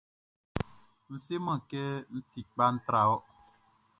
N seman kɛ n ti kpa tra wɔ.